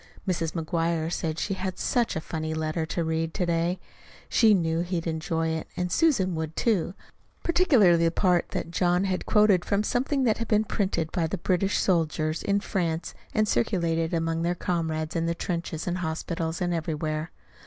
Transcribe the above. Mrs. McGuire said she had such a funny letter to read to day. She knew he'd enjoy it, and Susan would, too, particularly the part that John had quoted from something that had been printed by the British soldiers in France and circulated among their comrades in the trenches and hospitals, and everywhere.